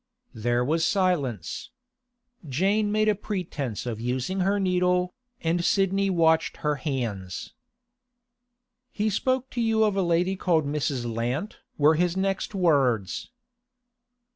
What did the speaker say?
There was silence. Jane made a pretence of using her needle, and Sidney watched her hands. 'He spoke to you of a lady called Mrs. Lant?' were his next words.